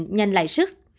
bệnh nhanh lại sức